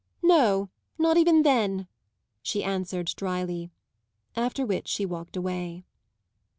"No, not even then," she answered dryly. After which she walked away.